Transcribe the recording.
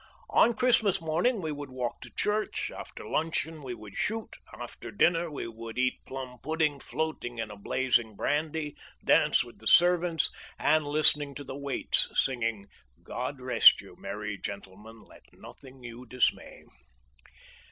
On Christmas morning we would walk to church, after luncheon we would shoot, after dinner we would eat plum pudding floating in blazing brandy, dance with the servants, and listen to the waits singing "God rest you, merry gentlemen, let nothing you dismay."